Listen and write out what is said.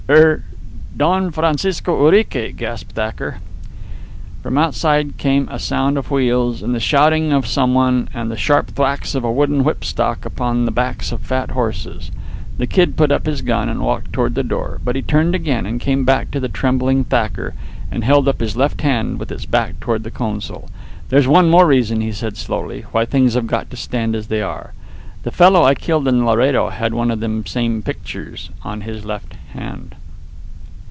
"Er Don Francisco Urique," gasped Thacker. From outside came a sound of wheels, and the shouting of some one, and the sharp thwacks of a wooden whipstock upon the backs of fat horses. The Kid put up his gun, and walked toward the door. But he turned again and came back to the trembling Thacker, and held up his left hand with its back toward the consul. "There's one more reason," he said slowly, "why things have got to stand as they are. The fellow I killed in Laredo had one of them same pictures on his left hand."